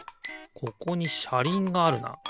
ここにしゃりんがあるな。